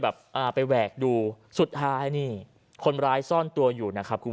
อ่าไปแหวกดูสุดท้ายนี่คนร้ายซ่อนตัวอยู่นะครับคุณผู้ชม